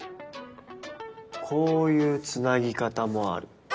こういうつなぎ方もある。